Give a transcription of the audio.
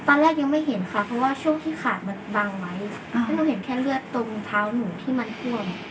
ตอนแรกยังไม่เห็นค่ะเพราะว่าช่วงที่ขาดมันบังไว้เพราะเราเห็นแค่เลือดตรงเท้าหนูที่มันท่วม